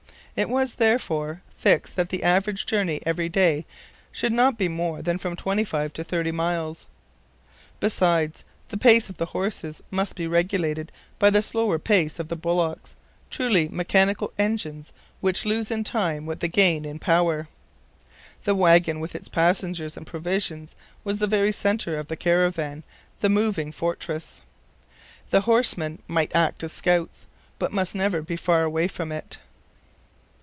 It was, therefore, fixed that the average journey every day should not be more than from twenty five to thirty miles. Besides, the pace of the horses must be regulated by the slower pace of the bullocks, truly mechanical engines which lose in time what they gain in power. The wagon, with its passengers and provisions, was the very center of the caravan, the moving fortress. The horsemen might act as scouts, but must never be far away from it.